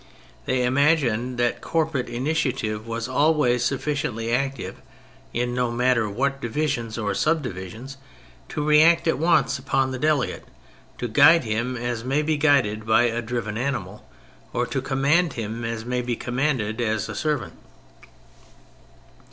They imagined that corporate initiative was always sufficiently active, in no matter what divisions or subdivisions, to react at once upon the delegate, to guide him as may be guided a driven animal, or to command him as may be commanded a servant.